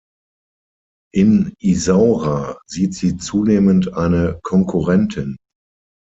In Isaura sieht sie zunehmend eine Konkurrentin.